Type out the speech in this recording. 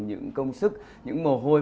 những công sức những mồ hôi